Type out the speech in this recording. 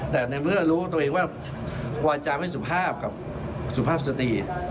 แต่ในเมื่อรู้ตัวเองว่าวาจาไม่สุภาพกับสุภาพสติ